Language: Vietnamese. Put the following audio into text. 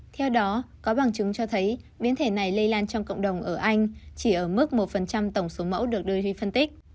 theo đó có bằng chứng cho thấy biến thể này lây lan trong cộng đồng ở anh chỉ ở mức một tổng số mẫu được dory phân tích